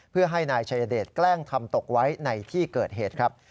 เพื่อให้นายชายเดชแกล้งทำตกไว้ในที่เกิดเหตุครับ